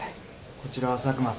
こちらは佐久間さん。